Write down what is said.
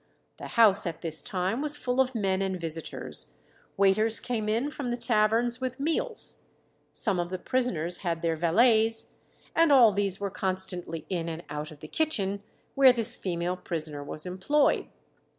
The house at this time was full of men and visitors; waiters came in from the taverns with meals. Some of the prisoners had their valets, and all these were constantly in and out of the kitchen where this female prisoner was employed.